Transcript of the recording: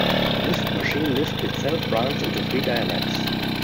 Lisp Machine Lisp itself branched into three dialects.